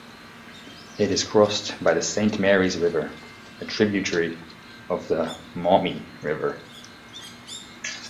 It is crossed by the Saint Marys River, a tributary of the Maumee River.